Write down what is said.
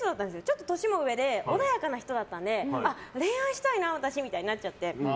ちょっと年も上で穏やかな人だったので恋愛したいな私みたいになっちゃって。